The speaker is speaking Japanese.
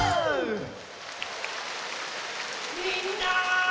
みんな。